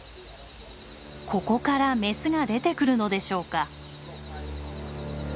ここからメスが出てくるのでしょうか。